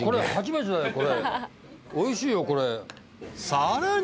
［さらに］